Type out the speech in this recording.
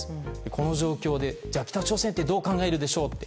この状況でじゃあ、北朝鮮ってどう考えるでしょうって。